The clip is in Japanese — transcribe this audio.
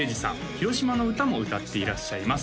広島の歌も歌っていらっしゃいます